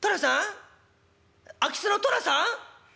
空き巣の寅さん？